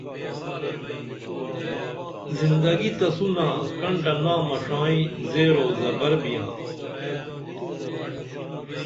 زندگی تسونہ کنٹہ نامہ ݜائیں زیرو زبر بیاں